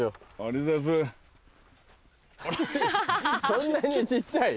そんなに小っちゃい？